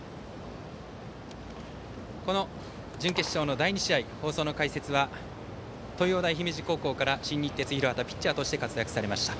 この準決勝の第２試合放送の解説は東洋大姫路高校から新日鉄広畑ピッチャーとして活躍されました